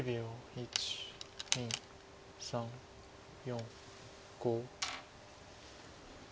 １２３４５。